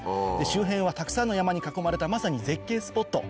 周辺はたくさんの山に囲まれたまさに絶景スポット。